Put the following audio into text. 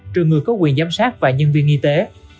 trừ người có quyền giám sát và nhân viên y tế